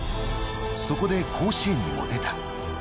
そこで甲子園にも出た。